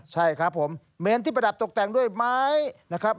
ใช่ครับผมเมนที่ประดับตกแต่งด้วยไม้นะครับ